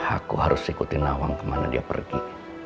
aku harus ikutin nawang kemana dia pergi